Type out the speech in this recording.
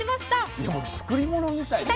いやもう作り物みたいです。